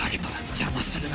邪魔するな！